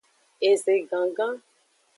Eze gangan.